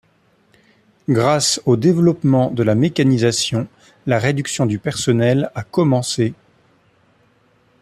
Grâce au développement de la mécanisation la réduction du personnel a commencé.